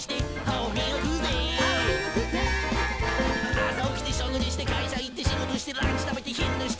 「朝起きて食事して会社行って仕事してランチ食べて昼寝して」